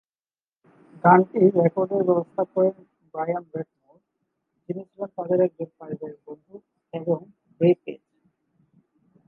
গানটি রেকর্ডের ব্যবস্থা করেন ব্রায়ান রেড মুর, যিনি ছিলেন তাদের একজন পারিবারিক বন্ধু এবং রে পেজ।